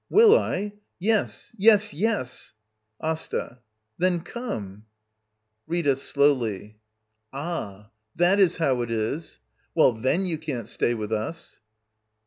] Will I? Yes, yes, yes I Asta. Then come I Rita. [Slowly.] Ah! That is how it is! Well, then you can't stay with us.